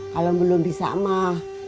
kalau belum bisa mah